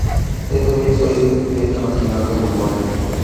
Este día es hoy la Fiesta Nacional de Mongolia.